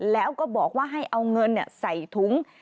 แล้วก็บอกว่าให้เอาเงินใส่ถุง